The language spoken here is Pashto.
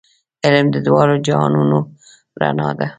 علم د دواړو جهانونو رڼا ده.